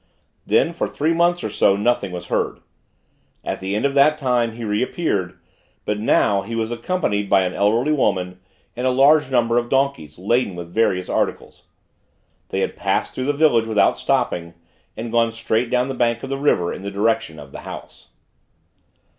Then, for three months or so, nothing was heard. At the end of that time, he reappeared; but now, he was accompanied by an elderly woman, and a large number of donkeys, laden with various articles. They had passed through the village without stopping, and gone straight down the bank of the river, in the direction of the House.